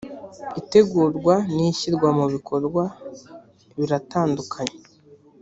itegurwa n ‘ishyirwa mu bikorwa biratandukanye.